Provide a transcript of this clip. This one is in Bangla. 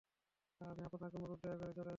আমি আপনাকে অনুরোধ, দয়া করে চলে যান।